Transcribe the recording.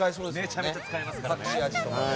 めちゃめちゃ使えますから。